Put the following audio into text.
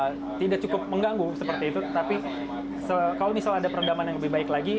jadi tidak mengganggu seperti itu tapi kalau misalnya ada perendaman yang lebih baik lagi